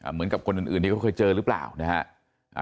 เหมือนกับคนอื่นที่เขาเคยเจอหรือเปล่านะฮะ